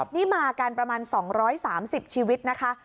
นี่มากันประมาณ๒๓๐ชีวิตนะคะ